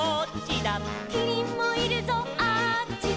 「キリンもいるぞあっちだ」